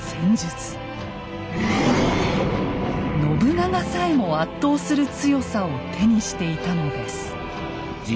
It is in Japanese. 信長さえも圧倒する強さを手にしていたのです。